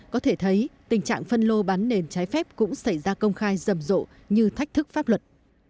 có thể thấy tình trạng phân lô bán nền trái phép cũng xảy ra công khai rầm rộ như thách thức pháp luật